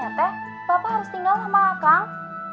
pokoknya teh bapak harus tinggal sama akang